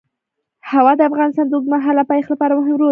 هوا د افغانستان د اوږدمهاله پایښت لپاره مهم رول لري.